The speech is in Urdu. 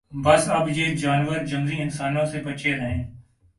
بس اب یہ جانور جنگلی انسانوں سے بچیں رھیں